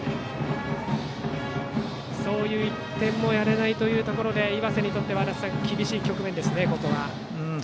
そういう１点もやれないところで岩瀬にとっては、足達さん厳しい局面ですね。